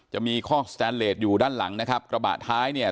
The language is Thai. จะมีข้อสแตนเลสอยู่ด้านหลังนะครับกระบะท้ายเนี่ย